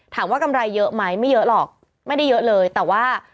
กำไรเยอะไหมไม่เยอะหรอกไม่ได้เยอะเลยแต่ว่า